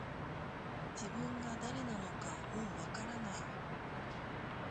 自分が誰なのかもう分からない